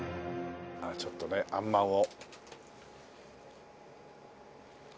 ちょっとね鮟まんを。